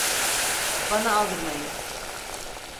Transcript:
Bana aldırmayın.